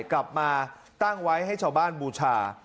กลับมาตั้งไว้ให้ชาวบ้านบูชา